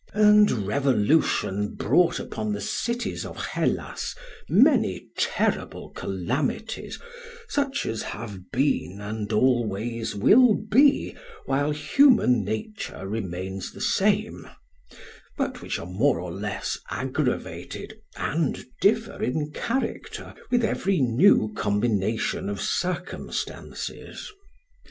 And revolution brought upon the cities of Hellas many terrible calamities, such as have been and always will be while human nature remains the same, but which are more or less aggravated and differ in character with every new combination of circumstances.